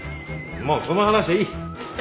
もうその話はいい。